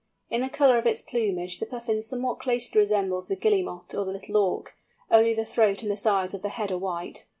In the colour of its plumage the Puffin somewhat closely resembles the Guillemot or the Little Auk, only the throat and the sides of the head are white.